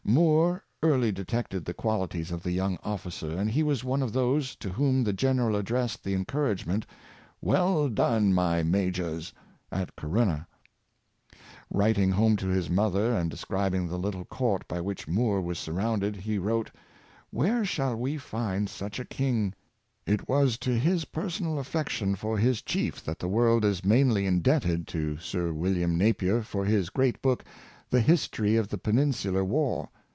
Moore early detected the qualities of the young officer; and he was one of those to whom the general addressed the encouragement, "Well done, my majors!" at Co runna. Writing home to his mother, and describing 134 Energy Evokes Energy, the little court by which Moore was surrounded, he wrote, "Where shall we find such a king?" It was to his personal affection for his chief that the world is mainly indebted to Sir William Napier for his great book, " The History of the Peninsular War.""